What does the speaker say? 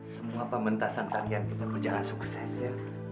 semua pementasan tarian kita berjalan sukses ya